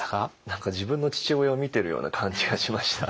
何か自分の父親を見てるような感じがしました。